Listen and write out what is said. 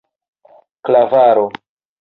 klavaro